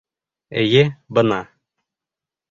Эйе, бына!